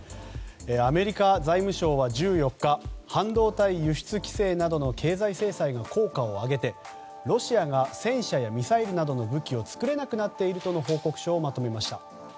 アメリカ財務省は１４日半導体輸出規制などの経済制裁が効果を上げてロシアが戦車やミサイルなどの武器を作れなくなっているとの報告書をまとめました。